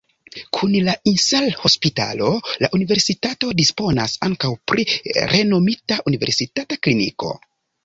Kun la Insel-hospitalo la universitato disponas ankaŭ pri renomita universitata kliniko.